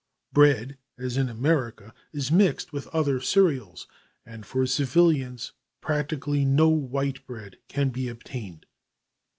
Bread, as in America, is mixed with other cereals, and for civilians practically no white bread can be obtained.